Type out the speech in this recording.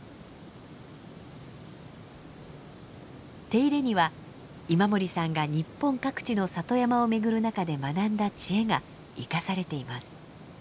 手入れには今森さんが日本各地の里山を巡る中で学んだ知恵が生かされています。